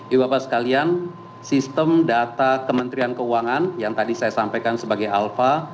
ibu bapak sekalian sistem data kementerian keuangan yang tadi saya sampaikan sebagai alfa